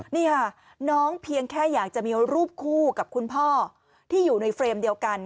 นี่ค่ะน้องเพียงแค่อยากจะมีรูปคู่กับคุณพ่อที่อยู่ในเฟรมเดียวกัน